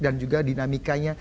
dan juga dinamikanya